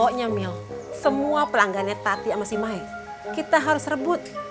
pokoknya mil semua pelanggan yang tati sama si mai kita harus rebut